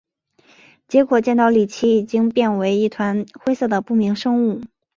结果见到李奇已经变为一团灰色的不明生物。